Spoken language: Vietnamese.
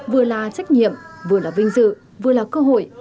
vừa là trách nhiệm vừa là vinh dự vừa là cơ hội